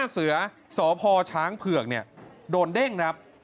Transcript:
๕เสือสพชเผือกโดนเด้ง